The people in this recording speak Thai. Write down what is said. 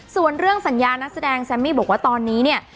ส่วนเรื่องสัญญานักแสดงแซมมี่บอกว่าตอนนี้เนี่ย